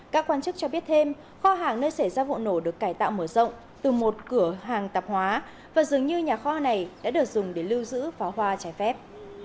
các quan chức cho biết thêm kho hàng nơi xảy ra vụ nổ được cải tạo mở rộng từ một cửa hàng tạp hóa và dường như nhà kho này đã được dùng để lưu giữ pháo hoa trái phép